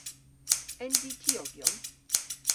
Ens i tiogyon?